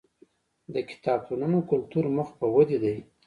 د کتابتونونو کلتور مخ په ودې دی.